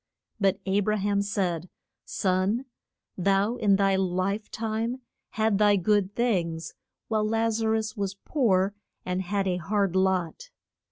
] But A bra ham said, Son, thou in thy life time had thy good things, while Laz a rus was poor and had a hard lot.